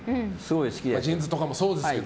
ジーンズとかそうですけど。